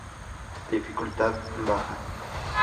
Dificultad: baja.